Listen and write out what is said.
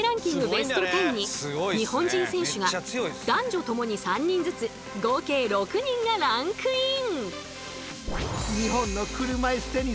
ベスト１０に日本人選手が男女ともに３人ずつ合計６人がランクイン！